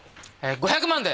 ５００万で。